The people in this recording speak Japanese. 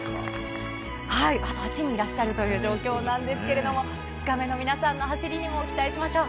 あと８人いらっしゃるという状況なんですけれども、２日目の皆さんの走りにも期待しましょう。